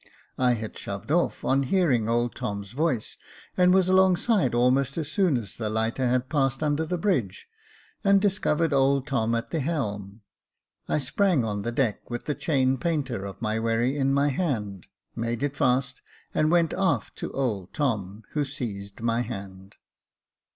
I had shoved off, on hearing old Tom's voice, and was alongside almost as soon as the lighter had passed under the bridge, and discovered old Tom at the helm. I sprang on the deck, with the chain painter of the wherry in my hand, made it fast, and went aft to old Tom, who seized my hand.